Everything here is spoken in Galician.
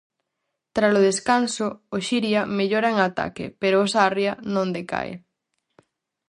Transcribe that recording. Tralo descanso, o Xiria mellora en ataque pero o Sarria non decae.